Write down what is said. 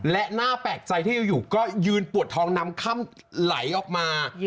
และน่าแปลกใจที่อยู่ก็ยืนปวดท้องน้ำค่ำไหลออกมา